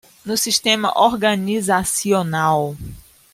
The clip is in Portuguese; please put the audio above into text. No sistema organizacional